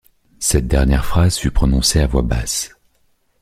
Cette dernière phrase fut prononcée à voir basse.